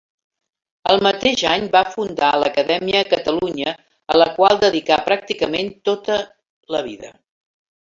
El mateix any va fundar l'Acadèmia Catalunya, a la qual dedicà pràcticament tota la vida.